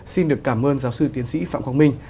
xin được cảm ơn giáo sư tiến sĩ phạm quang minh